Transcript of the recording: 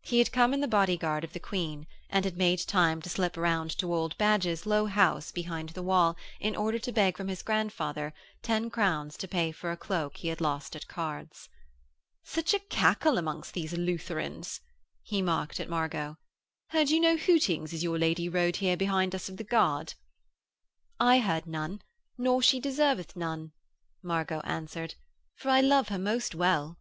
He had come in the bodyguard of the Queen, and had made time to slip round to old Badge's low house behind the wall in order to beg from his grandfather ten crowns to pay for a cloak he had lost at cards. 'Such a cackle among these Lutherans,' he mocked at Margot. 'Heard you no hootings as your lady rode here behind us of the guard?' 'I heard none, nor she deserveth none,' Margot answered. 'For I love her most well.'